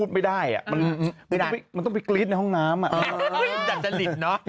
ที่หนุ่มก็ไปพักผ่อนบ้าง